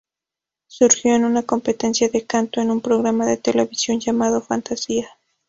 Surgió en una competencia de canto, en un programa de televisión llamado "Fantasia".